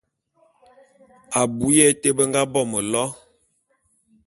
Abui ya été be nga bo mélo.